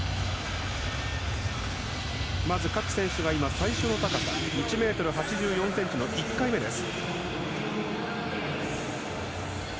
各選手が最初の高さ１ｍ８４ｃｍの１回目です。